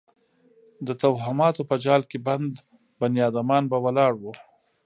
د توهماتو په جال کې بند بنیادمان به ولاړ وو.